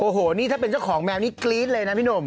โอ้โหนี่ถ้าเป็นเจ้าของแมวนี่กรี๊ดเลยนะพี่หนุ่ม